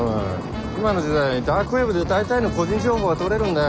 今の時代ダークウェブで大体の個人情報は取れるんだよ。